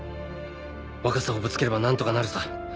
若さをぶつければ何とかなるさ